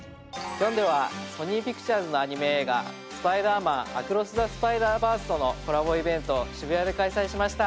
ヒョンデはソニー・ピクチャーズのアニメ映画『スパイダーマン：アクロス・ザ・スパイダーバース』とのコラボイベントを渋谷で開催しました。